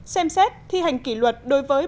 xem xét thi hành kỷ luật đối với